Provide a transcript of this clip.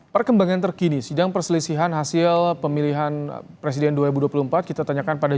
perkembangan terkini sidang perselisihan hasil pemilihan presiden dua ribu dua puluh empat kita tanyakan pada